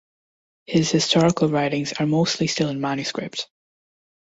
His historical writings are mostly still in manuscript.